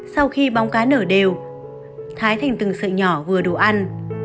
sau khi bóng cá nở đều thái thành từng sợi nhỏ vừa đồ ăn